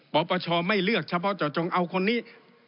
ปปชไม่เลือกเฉพาะเจาะจงเอาคนนี้